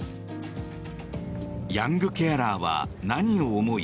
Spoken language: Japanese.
ヤングケアラーは何を思い